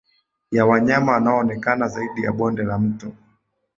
ya wanyama wanaoonekana zaidi ya bonde la mto